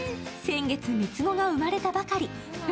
先月３つ子が生まれたばかり。